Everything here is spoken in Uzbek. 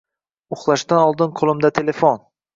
Uxlashdan oldin qoʻlimda telefon.